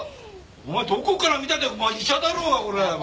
お前どこから見たって医者だろうがこれお前。